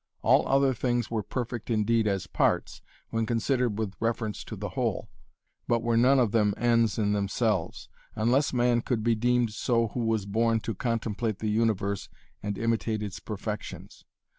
All other things were perfect indeed as parts, when considered with reference to the whole, but were none of them ends in themselves, unless man could be deemed so who was born to contemplate the universe and imitate its perfections.